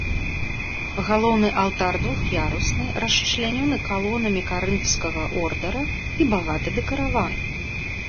Галоўны алтар двух'ярусны, расчлянёны калонамі карынфскага ордара і багата дэкараваны.